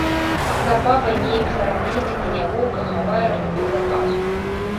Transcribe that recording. Адна баба неяк сарамліва і нялоўка хавае рыбу за пазуху.